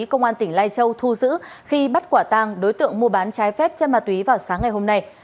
công an tỉnh lai châu thu giữ khi bắt quả tang đối tượng mua bán trái phép chân ma túy vào sáng ngày hôm nay